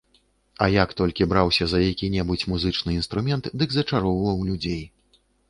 А як толькі браўся за які-небудзь музычны інструмент, дык зачароўваў людзей.